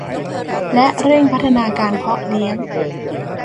และเร่งพัฒนาการเพาะเลี้ยง